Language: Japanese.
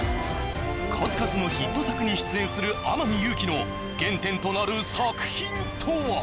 数々のヒット作に出演する天海祐希の原点となる作品とは？